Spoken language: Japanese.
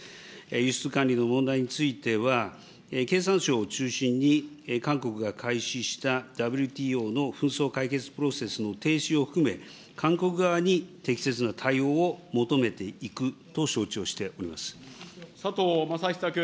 輸出管理の問題については、経産省を中心に韓国が開始した、ＷＴＯの紛争解決のプロセス停止を含め、韓国側に適切な対応を求佐藤正久君。